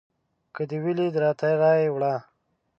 که دې ولیدی راته رایې وړه